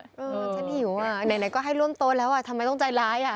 ฉันหิวอ่ะไหนก็ให้ร่วมต้นแล้วทำไมต้องใจร้าย